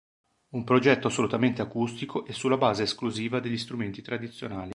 Un progetto assolutamente acustico e sulla base esclusiva degli strumenti tradizionali.